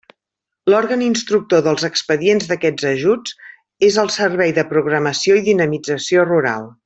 L'òrgan instructor dels expedients d'aquests ajuts és el Servei de Programació i Dinamització Rural.